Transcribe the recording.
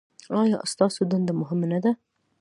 ایا ستاسو دنده مهمه نه ده؟